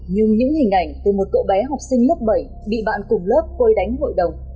nhưng những hình ảnh từ một cậu bé học sinh lớp bảy bị bạn cùng lớp quây đánh hội đồng